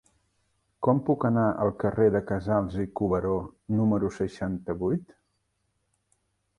Com puc anar al carrer de Casals i Cuberó número seixanta-vuit?